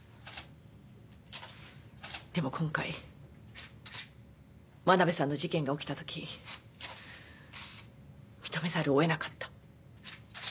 でも今回真鍋さんの事件が起きたとき認めざるを得なかった。